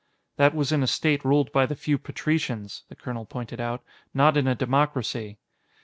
"That was in a state ruled by the few patricians," the colonel pointed out, "not in a democracy."